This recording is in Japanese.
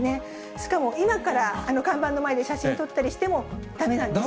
しかも今から看板の前で写真撮ったりしても、だめなんです。